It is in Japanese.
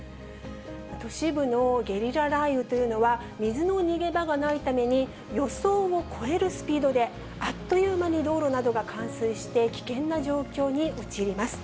都市部のゲリラ雷雨というのは、水の逃げ場がないために、予想を超えるスピードであっという間に道路などが冠水して危険な状況に陥ります。